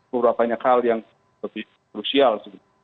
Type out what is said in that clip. beberapa hal yang lebih crucial